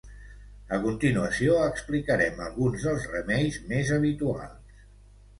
A continuació explicarem alguns dels remeis més habituals.